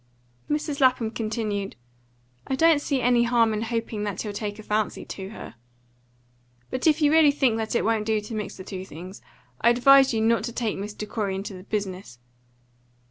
Mrs. Lapham continued: "I don't see any harm in hoping that he'll take a fancy to her. But if you really think it won't do to mix the two things, I advise you not to take Mr. Corey into the business.